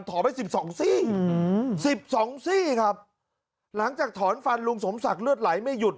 ไปสิบสองซี่สิบสองซี่ครับหลังจากถอนฟันลุงสมศักดิ์เลือดไหลไม่หยุด